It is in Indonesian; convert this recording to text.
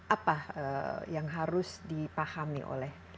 apa yang harus dipahami oleh